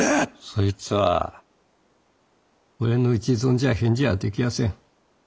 そいつは俺の一存じゃ返事はできやせん。